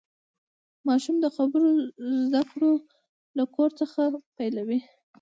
ماشوم د خبرو زدهکړه له کور څخه پیلوي.